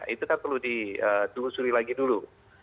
itu kan perlu ditunggu tunggu lagi dulu